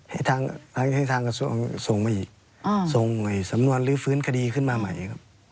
ให้ทางกระทรวงส่งมาอีกส่งสำนวนลื้อฟื้นคดีขึ้นมาใหม่ครับ